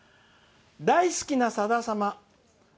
「大好きな、さだ様」。